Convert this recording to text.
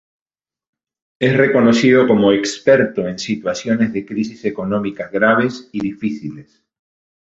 Es reconocido como experto en situaciones de crisis económicas graves y difíciles.